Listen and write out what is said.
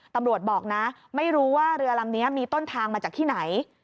ตำรวจบอกนะไม่รู้ว่าเรือลำนี้มีต้นทางมาจากที่ไหน